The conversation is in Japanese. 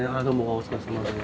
お疲れさまです。